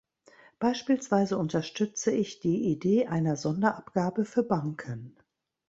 Beispielsweise unterstütze ich die Idee einer Sonderabgabe für Banken.